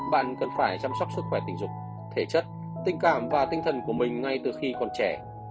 bạn cần phải chăm sóc sức khỏe tình dục thể chất tình cảm và tinh thần của mình ngay từ khi còn trẻ